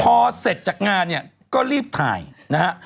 พอเสร็จจากงานเนี่ยก็รีบถ่ายนะฮะ